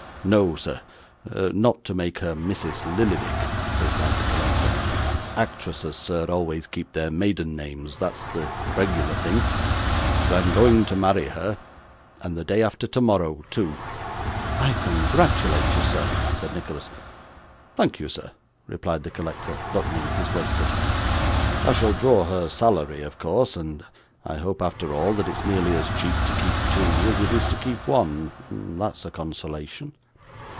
'No, sir, not to make her Mrs. Lillyvick,' replied the collector. 'Actresses, sir, always keep their maiden names that's the regular thing but I'm going to marry her; and the day after tomorrow, too.' 'I congratulate you, sir,' said Nicholas. 'Thank you, sir,' replied the collector, buttoning his waistcoat. 'I shall draw her salary, of course, and I hope after all that it's nearly as cheap to keep two as it is to keep one; that's a consolation.